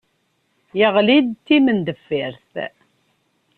Yeɣli d timendeffirt.